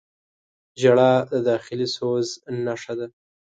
• ژړا د داخلي سوز نښه ده.